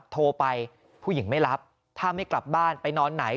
โทรไปผู้หญิงไม่รับถ้าไม่กลับบ้านไปนอนไหน